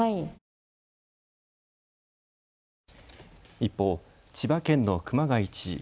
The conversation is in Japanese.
一方、千葉県の熊谷知事。